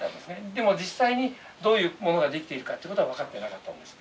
でも実際にどういうものが出来ているかっていう事は分かってなかったんです。